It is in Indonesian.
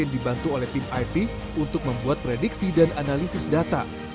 dibantu oleh tim it untuk membuat prediksi dan analisis data